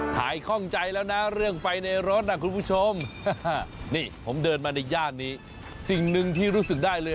คล่องใจแล้วนะเรื่องไฟในรถนะคุณผู้ชมนี่ผมเดินมาในย่านนี้สิ่งหนึ่งที่รู้สึกได้เลย